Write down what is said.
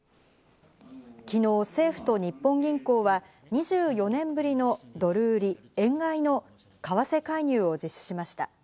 昨日、政府と日本銀行は２４年ぶりのドル売り・円買いの為替介入を実施しました。